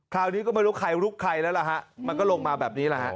คราวนี้ก็ไม่รู้ใครลุกใครแล้วล่ะฮะมันก็ลงมาแบบนี้แหละฮะ